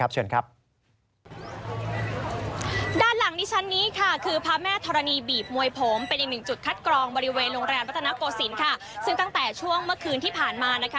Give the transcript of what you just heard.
ซึ่งตั้งแต่ช่วงเมื่อคืนที่ผ่านมา